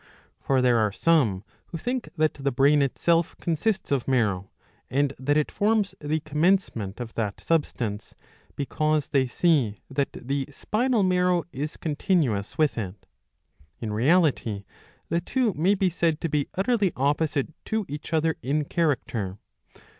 For there are some^ who think that the brain itself consists of marrow, and that it forms the commencement of that substance, because they see that the spinal marrow is continuous with it. In reality the two may be said to be utterly opposite to each other in character.